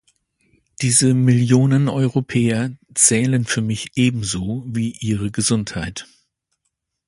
Diese Millionen Europäer zählen für mich ebenso wie Ihre Gesundheit.